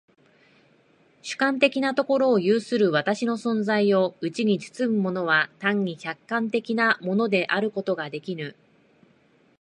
主観的なところを有する私の存在をうちに包むものは単に客観的なものであることができぬ。